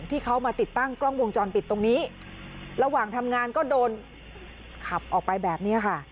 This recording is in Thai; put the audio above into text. ที่เขามาติดตั้งกล้องวงจรปิดตรงนี้ระหว่างทำงานก็โดนขับออกไปแบบนี้ค่ะ